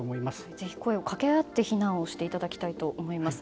ぜひ声をかけ合って避難をしていただきたいと思います。